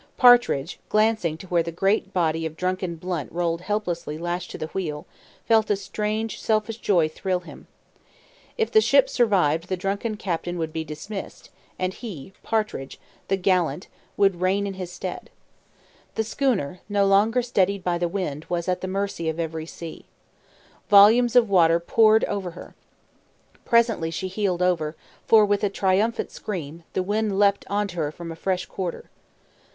Partridge, glancing to where the great body of drunken Blunt rolled helplessly lashed to the wheel, felt a strange selfish joy thrill him. If the ship survived the drunken captain would be dismissed, and he, Partridge, the gallant, would reign in his stead. The schooner, no longer steadied by the wind, was at the mercy of every sea. Volumes of water poured over her. Presently she heeled over, for, with a triumphant scream, the wind leapt on to her from a fresh quarter.